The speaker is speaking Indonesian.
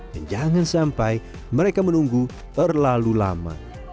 dan jangan sampai mereka menunggu terlalu lama